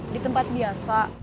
di tempat biasa